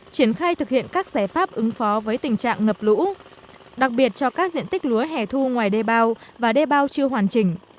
triển khai thực hiện các giải pháp ứng phó với tình trạng ngập lũ đặc biệt cho các diện tích lúa hẻ thu ngoài đê bao và đê bao chưa hoàn chỉnh